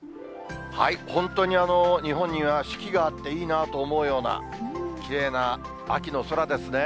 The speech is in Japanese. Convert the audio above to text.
本当に日本には四季があっていいなと思うような、きれいな秋の空ですね。